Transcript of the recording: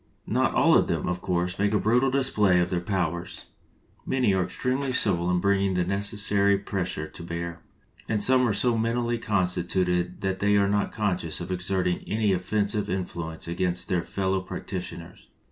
Not all of them, of course, make a brutal display of their powers. Many are extremely subtle in bringing the necessary pres sure to bear, and some are mentally so consti tuted that they are not conscious of exerting any offensive influence against their fellow practi tioners.